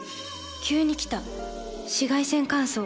急に来た紫外線乾燥。